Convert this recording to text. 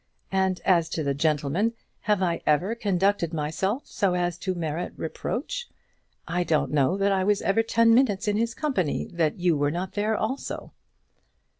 And as to the gentleman, have I ever conducted myself so as to merit reproach? I don't know that I was ever ten minutes in his company that you were not there also."